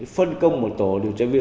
phân công một tổ điều tra viên